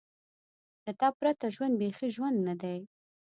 له تا پرته ژوند بېخي ژوند نه دی.